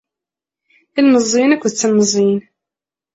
Ilemẓiuen akked tlemẓiyin.